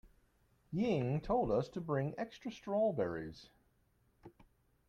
Ying told us to bring extra strawberries.